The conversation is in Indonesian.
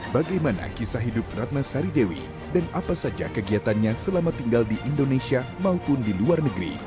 bagaimana kisah hidup ratna saridewi dan apa saja kegiatannya selama tinggal di indonesia maupun di luar negeri